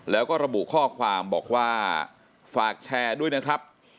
แล้วก็ระบุข้อความบอกว่าฝากแชร์ด้วยนะครับ